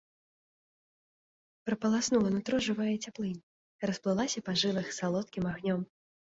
Прапаласнула нутро жывая цяплынь, расплылася па жылах салодкім агнём.